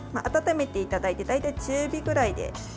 温めていただいて大体、中火ぐらいで。